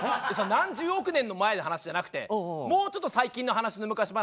何十億年の前の話じゃなくてもうちょっと最近の話の昔話。